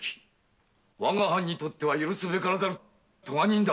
わが藩にとっては許すべからざる咎人だ